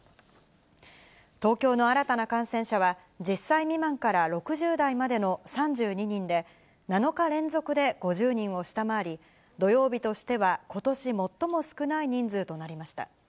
東京の新たな感染者は、１０歳未満から６０代までの３２人で、７日連続で５０人を下回り、土曜日としてはことし最も少ない人数となりました。